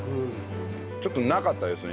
ちょっとなかったですね